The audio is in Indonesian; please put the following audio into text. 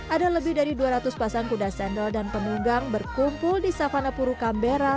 ada lebih dari dua ratus pasang kuda sandal dan pemunggang berkumpul di savanapuru kambera